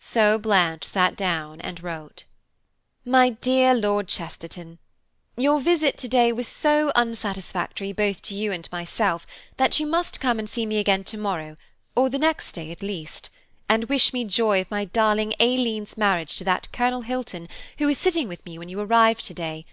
So Blanche sat down and wrote: "MY DEAR LORD CHESTERTON,–Your visit to day was so unsatisfactory both to you and myself that you must come and see me again to morrow or the next day at latest, and wish me joy of my darling Aileen's marriage to that Colonel Hilton who was sitting with me when you arrived to day.